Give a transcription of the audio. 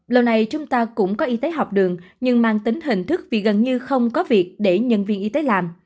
lâu nay chúng ta cũng có y tế học đường nhưng mang tính hình thức vì gần như không có việc để nhân viên y tế làm